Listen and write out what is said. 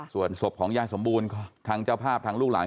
ส่วนศพของยายสมบูรณ์ทางเจ้าภาพทางลูกหลาน